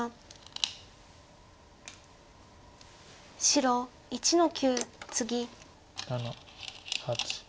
白１の九ツギ。